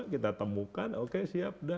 kita temukan oke siap